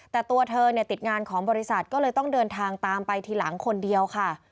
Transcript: แต่ตัวเธอเนี่ยติดงานของบริษัทก็เลยต้องเดินทางตามไปทีหลังคนเดียวค่ะ